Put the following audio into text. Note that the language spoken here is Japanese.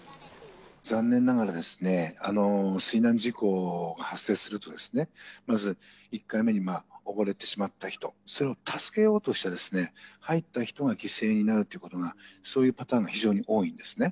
残念ながら、水難事故が発生するとですね、まず１回目に溺れてしまった人、それを助けようとして入った人が犠牲になるということがそういうパターンが非常に多いんですね。